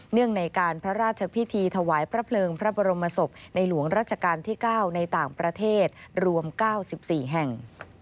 งในการพระราชพิธีถวายพระเพลิงพระบรมศพในหลวงราชการที่๙ในต่างประเทศรวม๙๔แห่ง